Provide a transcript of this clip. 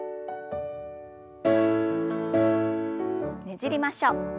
ねじりましょう。